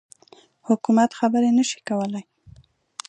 حکومت خبري نه شي کولای.